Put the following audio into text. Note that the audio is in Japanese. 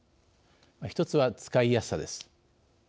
１つは、使いやすさです。